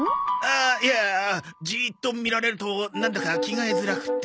あいやジーッと見られるとなんだか着替えづらくって。